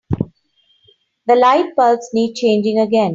The lightbulbs need changing again.